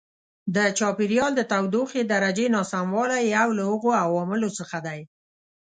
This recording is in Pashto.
د چاپېریال د تودوخې درجې ناسموالی یو له هغو عواملو څخه دی.